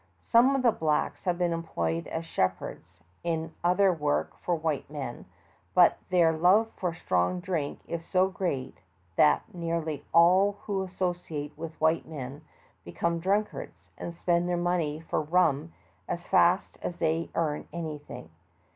Some of the blacks have been employed as shep herds and in other work for white men, but their love for strong drink is so great that nearly all who associate with white men become drunkards, and spend their money for rum as fast as they earn anything.